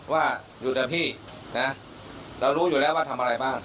ว่าอยู่แต่พี่นะเรารู้อยู่แล้วว่าทำอะไรบ้าง